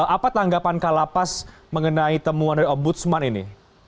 apa tanggapan kalapas mengenai temuan dari om budsman ini